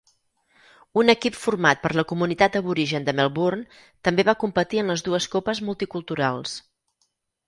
Un equip format per la comunitat aborigen de Melbourne també va competir en les dues Copes Multiculturals.